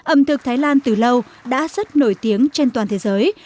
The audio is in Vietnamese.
ẩm thực thái lan từ lâu đã rất nổi tiếng trên toàn thế giới